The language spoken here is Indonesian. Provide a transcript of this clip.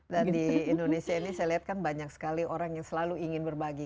dan di indonesia ini saya lihat kan banyak sekali orang yang selalu ingin berbagi